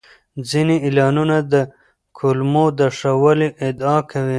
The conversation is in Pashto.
ځینې اعلانونه د کولمو د ښه والي ادعا کوي.